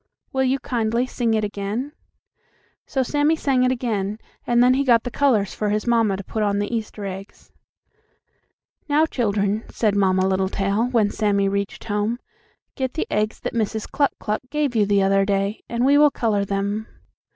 Will you kindly sing it again?" So Sammie sang it again, and then he got the colors for his mamma to put on the Easter eggs. "Now, children," said Mamma Littletail, when Sammie reached home. "Get the eggs that Mrs. Cluck Cluck gave you the other day, and we will color them."